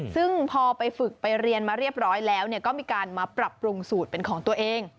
ซึ่งพอไปฝึกไปเรียนมาเรียบร้อยแล้ว